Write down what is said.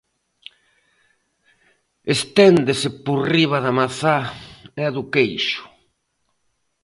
Esténdese por riba da mazá e do queixo.